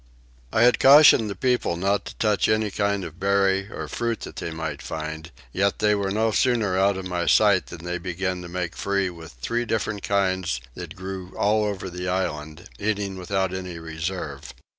I had cautioned the people not to touch any kind of berry or fruit that they might find; yet they were no sooner out of my sight than they began to make free with three different kinds that grew all over the island, eating without any reserve.